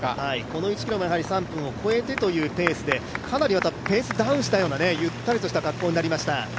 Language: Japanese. この１ｋｍも３分を超えてというペースで、かなりペースダウンしたようなゆったりとした格好になりました。